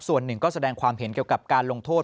ส่วนหนึ่งก็แสดงความเห็นเกี่ยวกับการลงโทษ